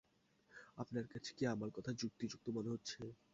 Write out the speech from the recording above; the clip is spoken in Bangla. আপনার কাছে কি আমার কথা যুক্তিযুক্ত মনে হচ্ছে?